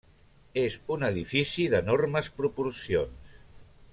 És un edifici d'enormes proporcions.